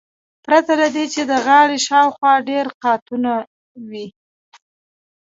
پرته له دې چې د غاړې شاوخوا ډیر قاتونه وي